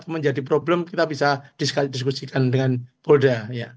menjadi problem kita bisa diskusikan dengan polda